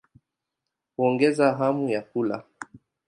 Huongeza hamu ya kula.